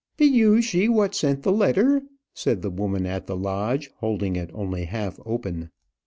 "Be you she what sent the letter?" said the woman at the lodge, holding it only half open.